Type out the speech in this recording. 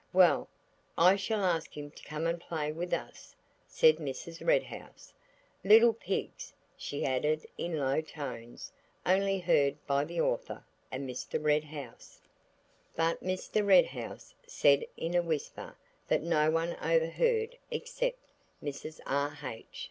"Well, I shall ask him to come and play with us," said Mrs. Red House: "Little pigs!" she added in low tones only heard by the author and Mr. Red House. But Mr. Red House said in a whisper that no one overheard except Mrs. R. H.